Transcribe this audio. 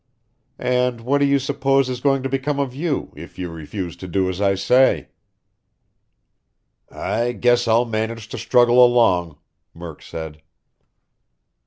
"And what do you suppose is going to become of you, if you refuse to do as I say?" "I guess I'll manage to struggle along," Murk said.